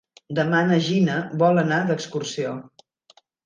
Demà na Gina vol anar d'excursió.